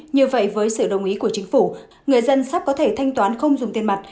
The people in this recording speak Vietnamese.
như vậy với sự đồng ý của chính phủ người dân sắp có thể thanh toán không dùng tiền mặt